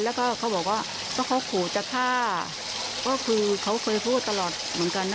แล้วก็เขาบอกว่าก็เขาขู่จะฆ่าก็คือเขาเคยพูดตลอดเหมือนกันนะ